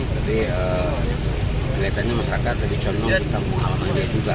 tapi kelihatannya masyarakat lebih congkong kita mengalami juga